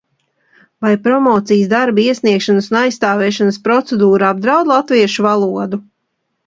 Vai promocijas darba iesniegšanas un aizstāvēšanas procedūra apdraud latviešu valodu?